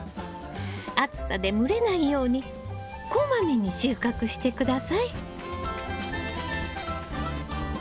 暑さで蒸れないようにこまめに収穫して下さい。